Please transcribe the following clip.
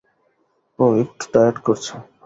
ওহ, আমি একটু ডায়েট করছি।